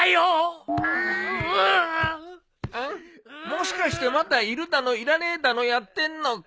もしかしてまたいるだのいらねえだのやってんのか？